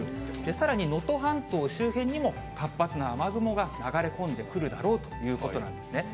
さらに、能登半島周辺にも、活発な雨雲が流れ込んでくるだろうということなんですね。